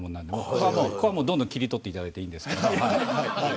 これは、どんどん切り取っていただいていいんですけれど。